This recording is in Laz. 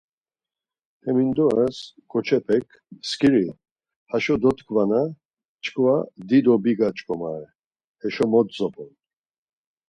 Hemindoras ǩoçepek, Skiri haşo dotkvana çkva dido biga ç̌ǩomare, heşo mot zop̌on.